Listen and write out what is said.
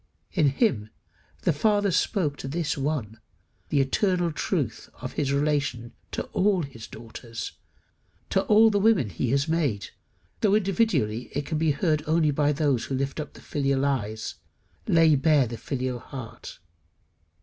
In him the Father spoke to this one the eternal truth of his relation to all his daughters, to all the women he has made, though individually it can be heard only by those who lift up the filial eyes, lay bare the filial heart.